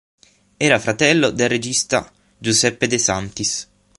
Era fratello del regista Giuseppe De Santis.